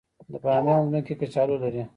د بامیان ځمکې کچالو لري